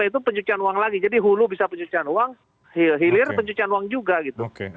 itu pencucian uang lagi jadi hulu bisa pencucian uang hilir pencucian uang juga gitu